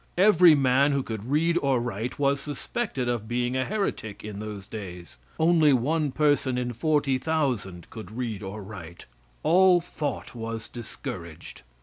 Every man who could read or write was suspected of being a heretic in those days. Only one person in 40,000 could read or write. All thought was discouraged.